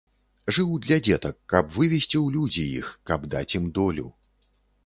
Жыў для дзетак, каб вывесці ў людзі іх, каб даць ім долю.